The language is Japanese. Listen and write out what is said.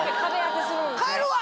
帰るわ！